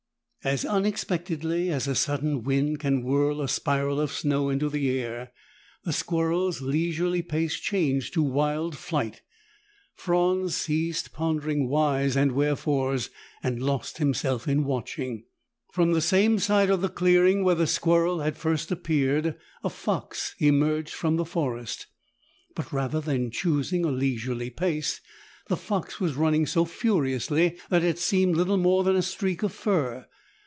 As unexpectedly as a sudden wind can whirl a spiral of snow into the air, the squirrel's leisurely pace changed to wild flight. Franz ceased pondering whys and wherefores and lost himself in watching. From the same side of the clearing where the squirrel had first appeared, a fox emerged from the forest. But rather than choosing a leisurely pace, the fox was running so furiously that it seemed little more than a streak of fur.